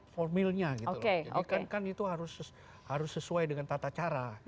formilnya gitu loh jadi kan itu harus sesuai dengan tata cara